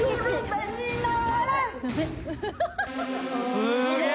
すげえ！